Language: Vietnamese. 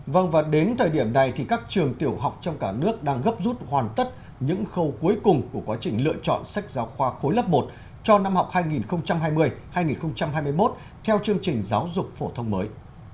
vâng và đến thời điểm này thì các trường tiểu học trong cả nước đang gấp rút hoàn tất những khâu cuối cùng của quá trình lựa chọn sách giáo khoa khối lớp một cho năm học hai nghìn hai mươi hai nghìn hai mươi một theo chương trình giáo dục phổ thông mới